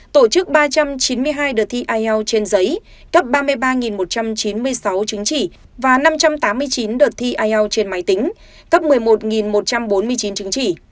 tổ chức ba trăm chín mươi hai đợt thi ielts trên giấy cấp ba mươi ba một trăm chín mươi sáu chứng chỉ và năm trăm tám mươi chín đợt thi ielts trên máy tính cấp một mươi một một trăm bốn mươi chín chứng chỉ